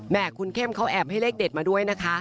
คุณเข้มเขาแอบให้เลขเด็ดมาด้วยนะคะ